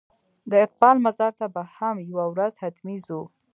د اقبال مزار ته به هم یوه ورځ حتمي ځو.